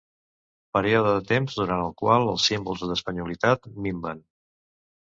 Període de temps durant el qual els símbols d'espanyolitat minven.